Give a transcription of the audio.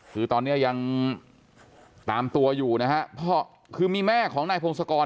คือตอนนี้ยังตามตัวอยู่นะฮะพ่อคือมีแม่ของนายพงศกร